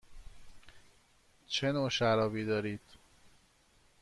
چه نوع شرابی دارید؟